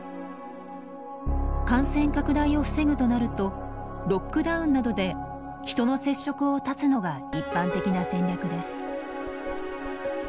感染拡大を防ぐとなるとロックダウンなどで人の接触を絶つのが一般的な戦略です。